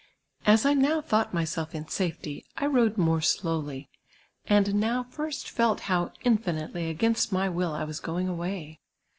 As I now thought myself in safety, I rode more slowly, and now first felt how infinitely against my will I was going away.